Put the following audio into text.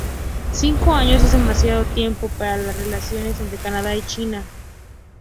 Cinco años es demasiado tiempo para las relaciones entre Canadá y China".